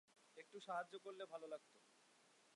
একটু সাহায্য করলে ভালো লাগত।